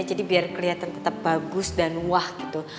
jadi biar keliatan tetep bagus dan wah gitu